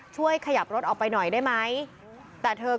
เลิกเลิกเลิกเลิกเลิก